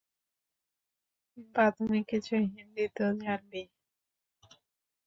প্রাথমিক কিছু হিন্দি তো জানবেই।